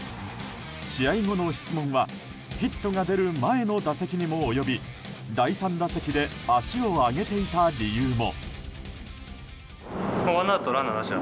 試合後の質問はヒットが出る前の打席にも及び第３打席で足を上げていた理由も。